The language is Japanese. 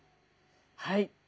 はい。